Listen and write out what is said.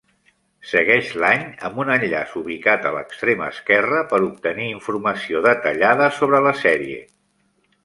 Segueix l'any amb un enllaç ubicat a l'extrem esquerre per obtenir informació detallada sobre la sèrie.